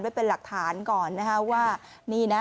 ไว้เป็นหลักฐานก่อนนะคะว่านี่นะ